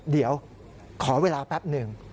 เดี๋ยวขอเวลาแป๊บหนึ่ง